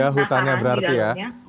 tumbuh ya hutannya berarti ya